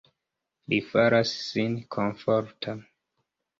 Li faras sin komforta.